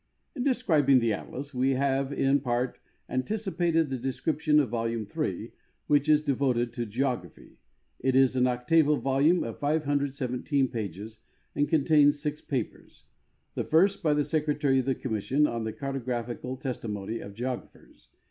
In describing the atlas, we have in part antici])ated the de scription of volume 3, which is devoted to geography. It is an octavo volume of 517 pages and contains 6 papers. The first is b}^ the secretary of the commission on the cartographical testi mony of geographers.